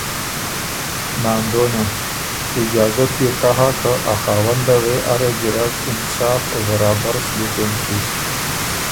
ناندونه: اجازت يې تَۀ هۀ که ا خاونده وې اره ګیرډ انصاف او برابر سلوک اېنچی